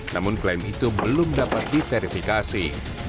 namun klaim itu belum dapat diverifikasi